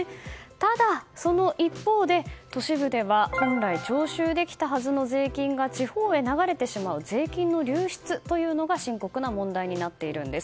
ただ、その一方で都市部では本来徴収できたはずの税金が地方へ流れてしまう税金の流出が深刻な問題になっているんです。